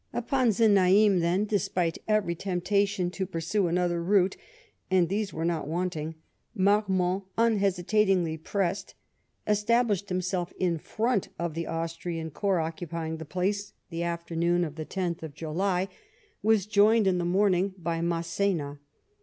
Upon Znaim, then, despite every temptation to pursue another route — and these were' not wanting — Marmont unhesitatingly pressed ; estab lished himself in front of the Austrian corps occupying the place the afternoon of the 10th (July) ; was joined in the morning by Massena.